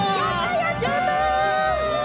やったね。